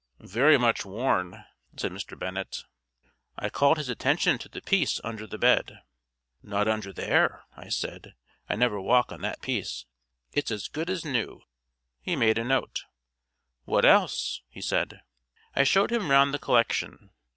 "Very much worn," said Mr. Bennett. I called his attention to the piece under the bed. "Not under there," I said. "I never walk on that piece. It's as good as new." He made a note. "What else?" he said. I showed him round the collection.